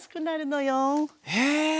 へえ！